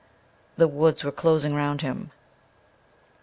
The woods were closing round him.